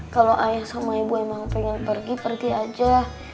kalau ayah sama ibu emang pengen pergi pergi aja